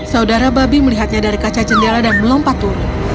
saudara babi melihatnya dari kaca jendela dan melompat turun